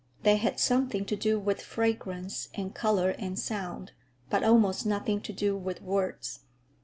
They had something to do with fragrance and color and sound, but almost nothing to do with words.